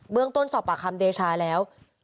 เรื่องต้นสอบปากคำเดชาแล้ว